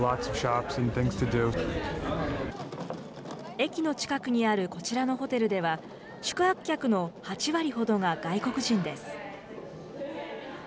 駅の近くにあるこちらのホテルでは、宿泊客の８割ほどが外国人です。